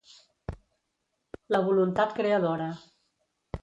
La voluntat creadora.